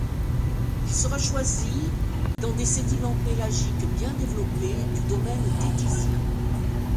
Il sera choisi dans des sédiments pélagiques bien développés du domaine téthysien.